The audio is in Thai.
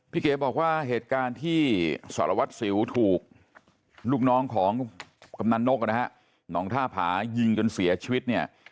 พี่เก๋บบอกว่าเหตุการณ์ที่สารวัติศิลป์ถูกลูกน้องของกำนันโน๊กน้องท่าผายิงจนเสียชีวิต